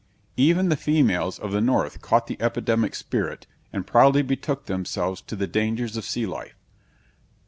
Even the females of the North caught the epidemic spirit, and proudly betook themselves to the dangers of sea life.